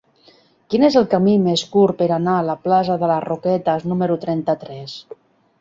Quin és el camí més curt per anar a la plaça de les Roquetes número trenta-tres?